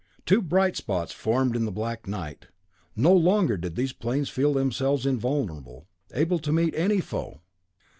Two bright spots formed in the black night. No longer did these planes feel themselves invulnerable, able to meet any foe!